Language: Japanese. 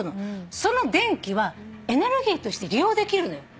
その電気はエネルギーとして利用できるのよ。